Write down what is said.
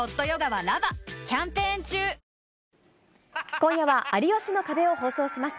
今夜は有吉の壁を放送します。